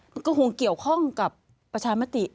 มันก็คงเกี่ยวข้องกับประชามติ